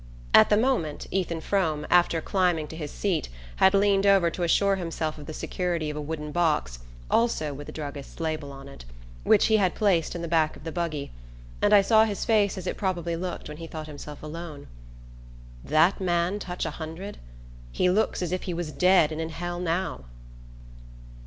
At the moment Ethan Frome, after climbing to his seat, had leaned over to assure himself of the security of a wooden box also with a druggist's label on it which he had placed in the back of the buggy, and I saw his face as it probably looked when he thought himself alone. "That man touch a hundred? He looks as if he was dead and in hell now!"